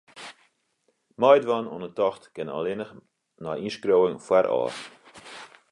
Meidwaan oan 'e tocht kin allinnich nei ynskriuwing foarôf.